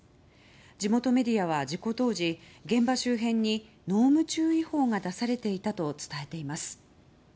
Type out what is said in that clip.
地元メディアは、事故当時現場周辺に、濃霧注意報が出されていたと伝えています。